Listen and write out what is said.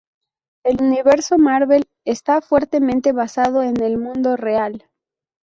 El Universo Marvel está fuertemente basado en el mundo real.